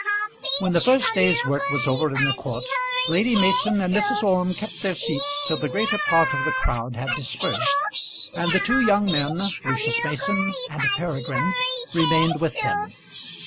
When the first day's work was over in the court, Lady Mason and Mrs. Orme kept their seats till the greater part of the crowd had dispersed, and the two young men, Lucius Mason and Peregrine, remained with them.